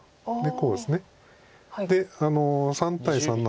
そうですね。